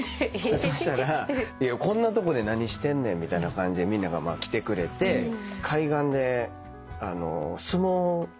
そしたらこんなとこで何してんねんみたいな感じでみんなが来てくれて海岸であの相撲。